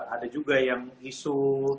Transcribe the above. ada juga yang isu